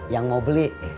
yang mau beli